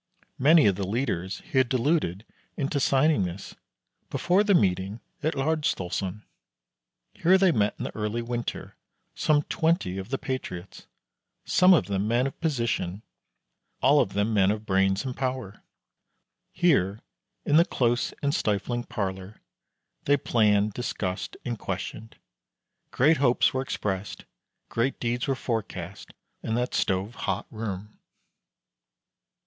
Many of the leaders he had deluded into signing this before the meeting at Laersdalsoren. Here they met in the early winter, some twenty of the patriots, some of them men of position, all of them men of brains and power. Here, in the close and stifling parlor, they planned, discussed, and questioned. Great hopes were expressed, great deeds were forecast, in that stove hot room.